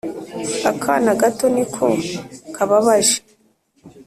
akana gato niko kababaje